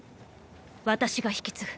私が引き継ぐ。